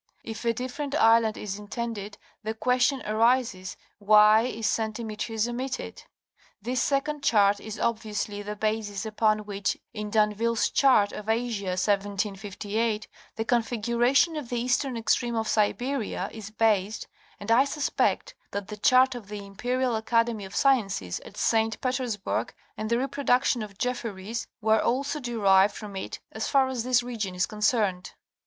If a different island is intended the question arises, Why is St. Demetrius omitted? This sec ond chart is obviousiy the basis upon which in D'Anville's chart of Asia (1758) the configuration of the eastern extreme of Siberia is based, and I suspect that the chart of the Imperial Academy of Sciences at St. Petersburg and the reproduction of Jefferys, were also derived from it as far as this region is concerned.